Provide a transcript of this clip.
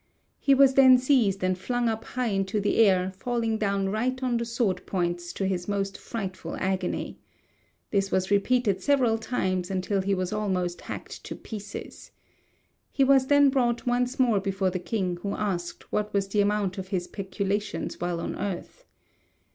He was then seized and flung up high into the air, falling down right on the sword points, to his most frightful agony. This was repeated several times until he was almost hacked to pieces. He was then brought once more before the king, who asked what was the amount of his peculations while on earth.